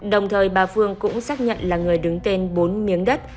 đồng thời bà phương cũng xác nhận là người đứng tên bốn miếng đất